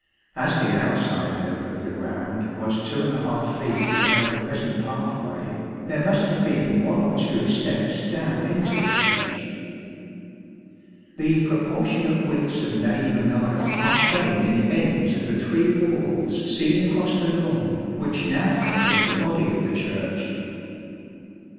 As the outside level of the ground was 2| feet below the present pathway, there must have been one or two steps down into the Church. The proportionate widths of nave and aisle are shown in the ends of the three walls seen across the lawn, which now covers the body of the Church.